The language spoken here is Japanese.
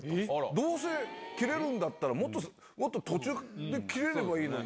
どうせキレるんだったらもっと途中でキレればいいのに。